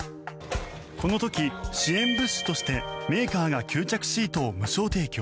この時、支援物資としてメーカーが吸着シートを無償提供。